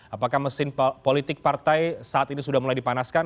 apakah mesin politik partai saat ini sudah mulai dipanaskan